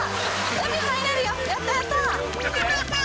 海入れるよ、やった、やった。